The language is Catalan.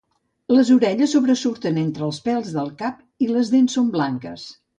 Les orelles sobresurten entre els pèls del cap i les dents són blanques.